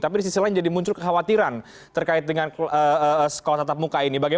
tapi di sisi lain jadi muncul kekhawatiran terkait dengan sekolah tatap muka ini